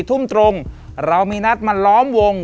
ทุ่มตรงเรามีนัดมาล้อมวง